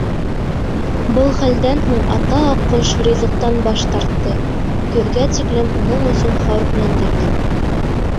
Был хәлдән һуң ата аҡҡош ризыҡтан баш тартты, көҙгә тиклем уның өсөн хәүефләндек.